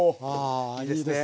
いいですね。